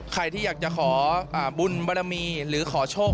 ใครที่อยากจะขอบุญบรมีหรือขอโชค